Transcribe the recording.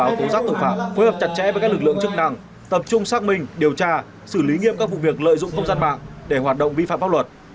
đảm bảo tố giác tội phạm phối hợp chặt chẽ với các lực lượng chức năng tập trung xác minh điều tra xử lý nghiêm các vụ việc lợi dụng không gian mạng để hoạt động vi phạm pháp luật